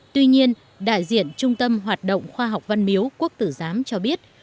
tuy nhiên đại diện trung tâm hoạt động khoa học văn miếu quốc tử giám cho biết